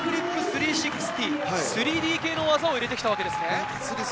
３Ｄ系の技を入れてきたわけですね。